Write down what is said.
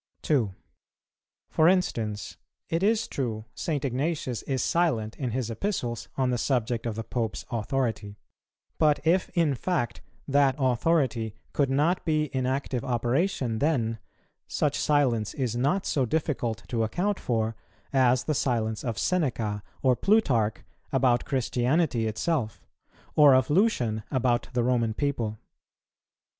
2. For instance, it is true, St. Ignatius is silent in his Epistles on the subject of the Pope's authority; but if in fact that authority could not be in active operation then, such silence is not so difficult to account for as the silence of Seneca or Plutarch about Christianity itself, or of Lucian about the Roman people.